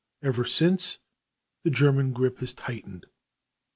Ever since, the German grip has tightened.